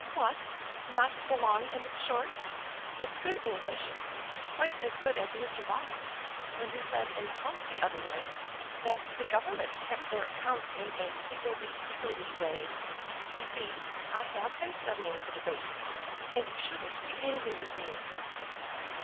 "What! not the long and the short? It's good English. Quite as good as Mr. Bott's, when he said in the House the other night that the Government kept their accounts in a higgledy piggledy way. You see, I have been studying the debates, and you shouldn't be angry with me."